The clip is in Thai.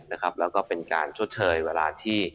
และก็เป็นการชดเชยเวลา